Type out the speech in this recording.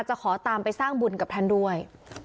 ขอตามไปสร้างบุญกับท่านด้วย